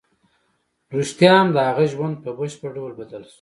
رښتیا هم د هغه ژوند په بشپړ ډول بدل شو